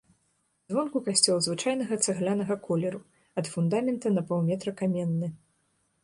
Звонку касцёл звычайнага цаглянага колеру, ад фундамента на паўметра каменны.